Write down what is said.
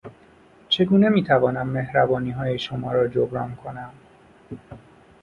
چگونه میتوانم مهربانیهای شما را جبران کنم